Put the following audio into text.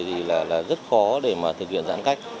thì rất khó để thực hiện giãn cách